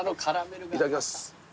いただきます。